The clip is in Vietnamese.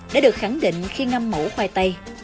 đã được khẳng định khi ngâm mẫu khoai tây